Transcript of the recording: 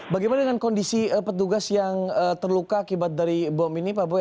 bagaimana dengan kondisi petugas yang terluka akibat dari bom ini pak boy